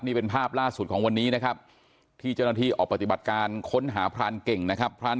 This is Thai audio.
นี่เป็นภาพล่าสุดของวันนี้นะครับที่เจ้าหน้าที่ออกปฏิบัติการค้นหาพรานเก่งนะครับพราน